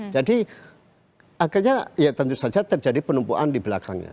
jadi akhirnya ya tentu saja terjadi penumpuan di belakangnya